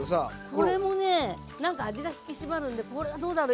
これもね何か味が引き締まるんでこれはどうだろう？